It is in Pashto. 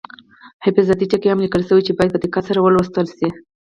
حفاظتي ټکي هم لیکل شوي چې باید په دقت سره ولوستل شي.